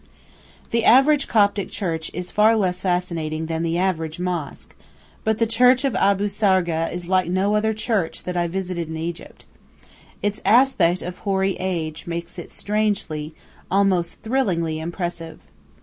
The average Coptic church is far less fascinating than the average mosque, but the church of Abu Sargah is like no other church that I visited in Egypt. Its aspect of hoary age makes it strangely, almost thrillingly impressive.